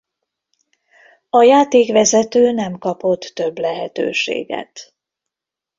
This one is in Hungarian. A játékvezető nem kapott több lehetőséget.